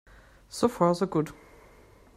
So far so good.